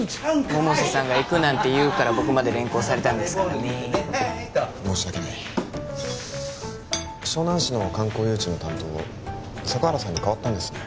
百瀬さんが行くなんて言うから僕まで連行されたんですからね申し訳ない湘南市の観光誘致の担当坂原さんに代わったんですね